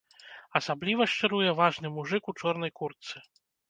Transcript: Асабліва шчыруе важны мужык у чорнай куртцы.